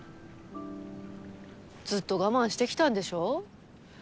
ずっと我慢してきたんでしょ？